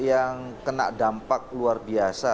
yang kena dampak luar biasa